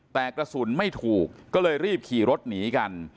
แต่กระสุนไม่ถูกก็เลยรีบขี่รถหนีกัน